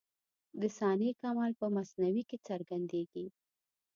د صانع کمال په مصنوعي کي څرګندېږي.